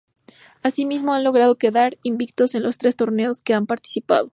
Asimismo, han logrado quedar invictos en los tres torneos que han participado.